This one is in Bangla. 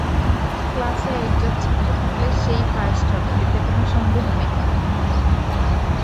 ক্লাসে একজন ছাত্র থাকলে সে-ই ফার্স্ট হবে, এতে কোনো সন্দেহ নেই।